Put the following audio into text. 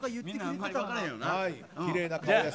きれいな顔です。